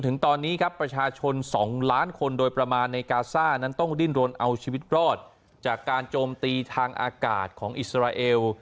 ถึงตอนนี้ครับประชาชน๒ล้านคนโดยประมาณในกาซ่านั้นต้องดิ้นรนเอาชีวิตรอดจากการโจมตีทางอากาศของอิสราเอล